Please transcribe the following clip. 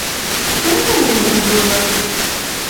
卢雷亚楼龙是第一类发现有胃石的兽脚亚目恐龙。